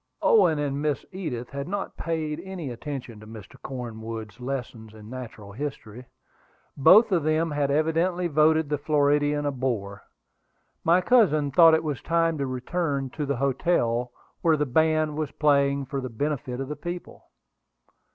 Owen and Miss Edith had not paid any attention to Mr. Cornwood's lessons in natural history. Both of them had evidently voted the Floridian a bore. My cousin thought it was time to return to the hotel, where the band was playing for the benefit of the people.